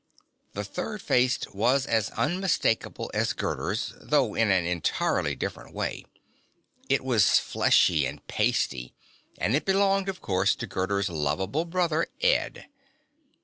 The third face was as unmistakable as Gerda's, though in an entirely different way. It was fleshy and pasty, and it belonged, of course, to Gerda's lovable brother Ed.